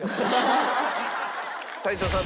齊藤さん